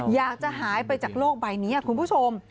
อยากจะหายไปจากโลกใบนี้คุณผู้ชม